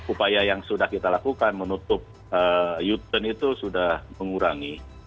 upaya yang sudah kita lakukan menutup u turn itu sudah mengurangi